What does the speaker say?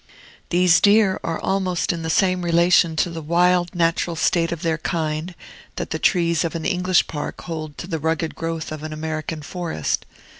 These deer are almost in the same relation to the wild, natural state of their kind that the trees of an English park hold to the rugged growth of an American forest.